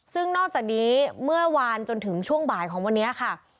ซึ่งนอกจากนี้เมื่อวานจนถึงช่วงบ่ายของวันนี้ค่ะ